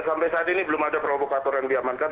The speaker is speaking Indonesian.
sampai saat ini belum ada provokator yang diamankan